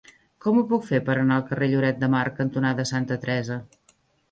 Com ho puc fer per anar al carrer Lloret de Mar cantonada Santa Teresa?